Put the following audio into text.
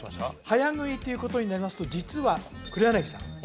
早食いということになりますと実は黒柳さん